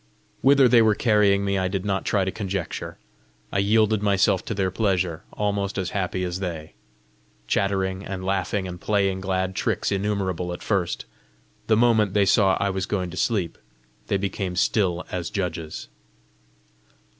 Whither they were carrying me, I did not try to conjecture; I yielded myself to their pleasure, almost as happy as they. Chattering and laughing and playing glad tricks innumerable at first, the moment they saw I was going to sleep, they became still as judges.